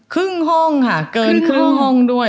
ครึ่งห้องค่ะเกินครึ่งห้องด้วย